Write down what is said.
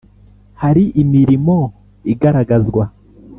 Hari imirimo igaragazwa.